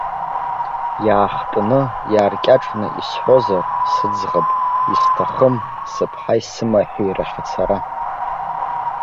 Иаахтны, иааркьаҿны исҳәозар, сыӡӷаб, исҭахым сыԥҳаи сымаҳәи рахь ацара.